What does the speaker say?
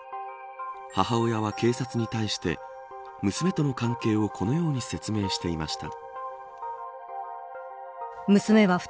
母親は警察に対して娘との関係をこのように説明していました。